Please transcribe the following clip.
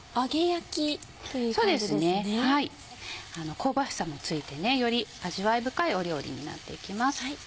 香ばしさもついてより味わい深い料理になっていきます。